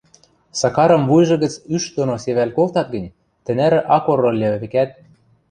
Сакарым вуйжы гӹц ӱш доно севӓл колтат гӹнь, тӹнӓрӹ ак ор ыльы, векӓт.